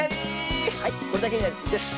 はいこれだけです！